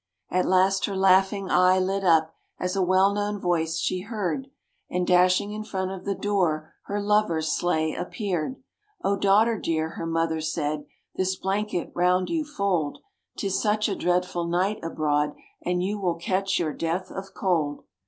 At last her laughing eye lit up as a well known voice she heard, And dashing in front of the door her lover's sleigh appeared. "O daughter, dear," her mother said, "this blanket round you fold, 'Tis such a dreadful night abroad and you will catch your death of cold."